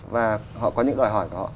và họ có những đòi hỏi của họ